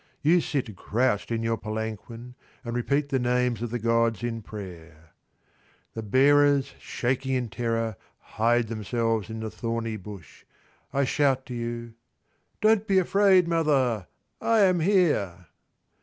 You sit crouched in your palanquin and repeat the names of the gods in prayer. The bearers, shaking in terror, hide themselves in the thorny bush. I shout to you, "Don't be afraid, mother. I am here."